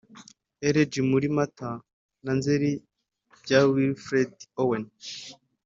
"elegy muri mata na nzeri" by wilfred owen